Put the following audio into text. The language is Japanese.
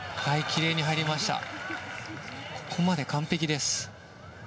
ここまで完璧です。